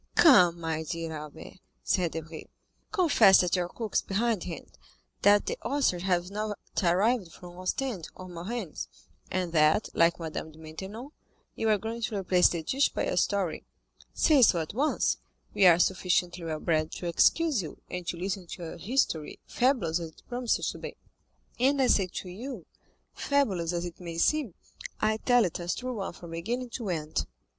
"Come, my dear Albert," said Debray, "confess that your cook is behindhand, that the oysters have not arrived from Ostend or Marennes, and that, like Madame de Maintenon, you are going to replace the dish by a story. Say so at once; we are sufficiently well bred to excuse you, and to listen to your history, fabulous as it promises to be." "And I say to you, fabulous as it may seem, I tell it as a true one from beginning to end.